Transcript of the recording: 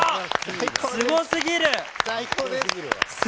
すごすぎる！